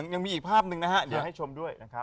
ยังมีอีกภาพหนึ่งนะฮะเดี๋ยวให้ชมด้วยนะครับ